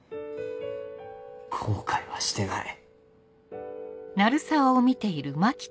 後悔はしてない。